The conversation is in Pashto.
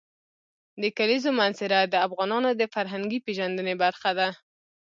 د کلیزو منظره د افغانانو د فرهنګي پیژندنې برخه ده.